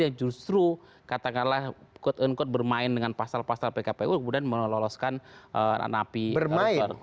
yang justru katakanlah kot on kot bermain dengan pasal pasal pkpu kemudian meloloskan anak anak napi koruptor